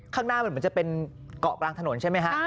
ครั้งหน้ามันจะเป็นเกาะกลางถนนใช่ไหมฮะ